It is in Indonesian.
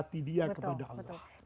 fidyah kepada allah